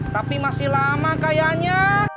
tapi masih lama kayaknya